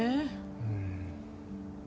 うん。